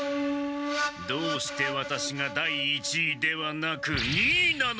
どうしてワタシが第一位ではなく二位なのだ！